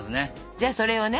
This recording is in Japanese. じゃあそれをね